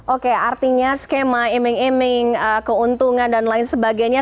oke artinya skema aiming aiming keuntungan dan lain sebagainya